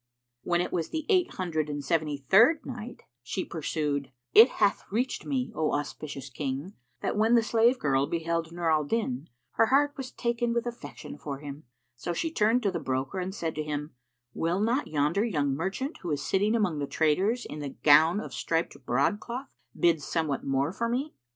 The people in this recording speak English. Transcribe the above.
When it was the Eight Hundred and Seventy third Night, She pursued, It hath reached me, O auspicious King, that when the slave girl beheld Nur al Din, her heart was taken with affection for him; so she turned to the broker and said to him, "Will not yonder young merchant who is sitting among the traders in the gown of striped broadcloth bid somewhat more for me?"